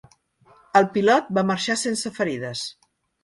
El pilot va marxar sense ferides.